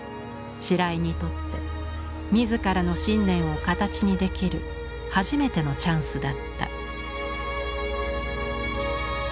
白井にとって自らの信念を形にできる初めてのチャンスだった。